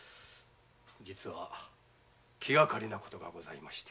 実は気がかりなことがございまして。